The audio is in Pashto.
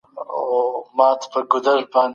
له نورو هیوادونو سره سیاسي اړیکي ارزول کیږي.